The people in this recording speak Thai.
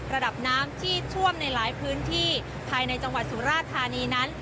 ระดับน้ำที่ท่วมในหลายพื้นที่ภายในจังหวัดสุราธานีนั้น